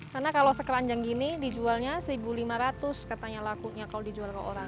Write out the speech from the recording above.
karena kalau sekeranjang gini dijualnya rp satu lima ratus katanya lakunya kalau dijual ke orang